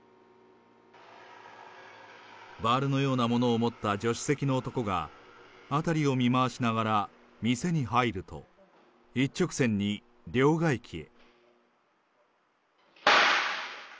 バールのようなものを持った助手席の男が、辺りを見回しながら、店に入ると、一直線に両替機へ。